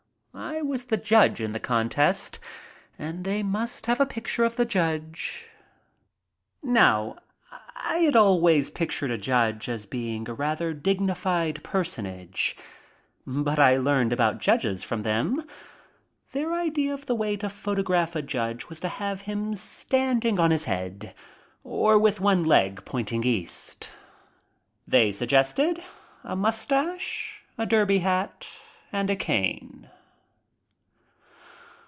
I was the judge in the contest and they must have pictures of the judge. Now I had always pictured a judge as being a rather dig nified personage, but I learned about judges from them. Their idea of the way to photograph a judge was to have him standing on his head or with one leg pointing east. They suggested a mustache, a derby hat, and a cane.